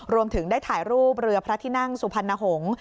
รวมถึงได้ถ่ายรูปเรือพระที่นั่งสุพรรณหงษ์